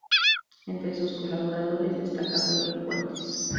Entre sus colaboradores destaca Gloria Fuertes.